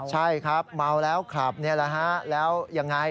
ใช่ครับเมาแล้วขับแล้วยังไง